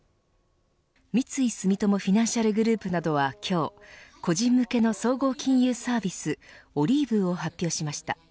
三井住友フィナンシャルグループなどは今日個人向けの総合金融サービスＯｌｉｖｅを発表しました。